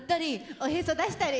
おへそ出したり。